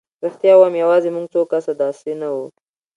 رښتیا ووایم یوازې موږ څو کسه داسې نه وو.